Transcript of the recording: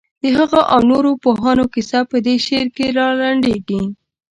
د هغه او نورو پوهانو کیسه په دې شعر کې رالنډېږي.